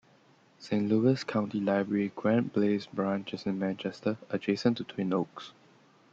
Saint Louis County Library Grand Glaize Branch is in Manchester, adjacent to Twin Oaks.